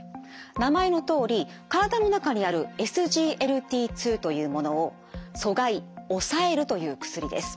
名前のとおり体の中にあるＳＧＬＴ２というものを阻害抑えるという薬です。